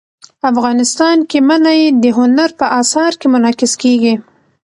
افغانستان کې منی د هنر په اثار کې منعکس کېږي.